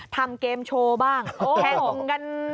ทำเกมโชว์บ้างแข่งของกันในห้องเรียน